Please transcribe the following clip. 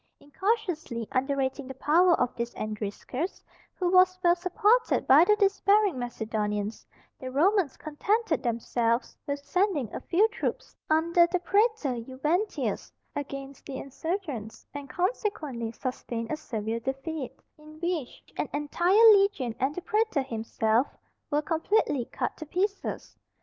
Incautiously underrating the power of this Andriscus, who was well supported by the despairing Macedonians, the Romans contented themselves with sending a few troops, under the Pretor Juventius, against the insurgents, and consequently sustained a severe defeat, in which an entire legion and the Pretor himself were completely cut to pieces.